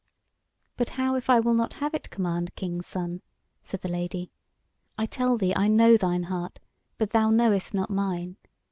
"But how if I will not have it command, King's Son?" said the Lady. "I tell thee I know thine heart, but thou knowest not mine.